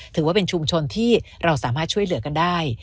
ถือว่าเป็นชุมชนที่เราสามารถช่วยเหลือกันได้